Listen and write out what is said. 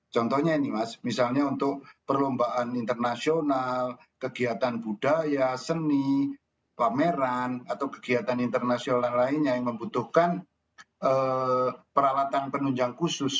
contohnya ini mas misalnya untuk perlombaan internasional kegiatan budaya seni pameran atau kegiatan internasional lainnya yang membutuhkan peralatan penunjang khusus